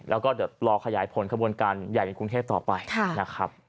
แล้วก็เดี๋ยวรอขยายผลขบวนการใหญ่ในกรุงเทพต่อไปนะครับ